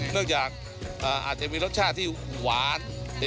เนื่องจากอาจจะมีรสชาติที่หวาน